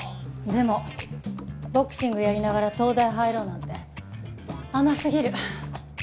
でもボクシングやりながら東大入ろうなんて甘すぎる。